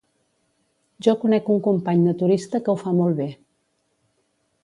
Jo conec un company naturista que ho fa molt bé.